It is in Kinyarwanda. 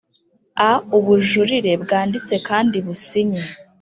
A ubujurire bwanditse kandi businye